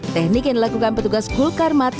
teknik yang dilakukan petugas gul karmat